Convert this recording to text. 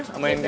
sampai ini aja